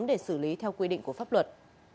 để xử lý theo quy định của pháp luật